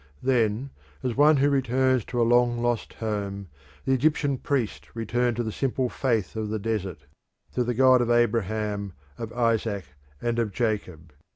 Then, as one who returns to a long lost home, the Egyptian priest returned to the simple faith of the desert, to the God of Abraham, of Isaac, and of Jacob.